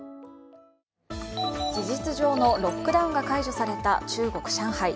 事実上のロックダウンが解除された中国・上海。